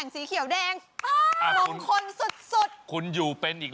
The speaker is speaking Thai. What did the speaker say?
สีแดง